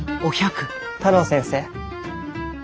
太郎先生。